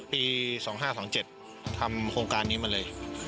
ปี๒๕๒๗ทำโครงการนี้มาเลย